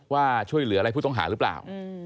ว่าช่วยเหลืออะไรผู้ต้องหาหรือเปล่า